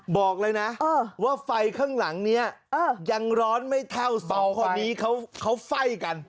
บอกเลยนะว่าไฟข้างหลังนี้ยังร้อนไม่เท่าสองคนนี้เขาไฟ่กัน